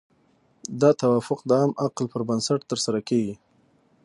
دا توافق د عام عقل پر بنسټ ترسره کیږي.